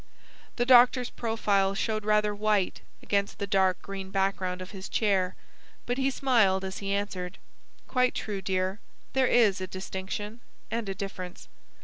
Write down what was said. The doctor's profile showed rather white against the dark green background of his chair; but he smiled as he answered: "Quite true, dear. There is a distinction, and a difference."